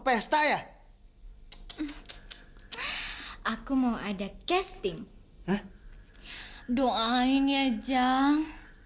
pak ada casting baru pak